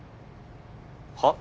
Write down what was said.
⁉はっ？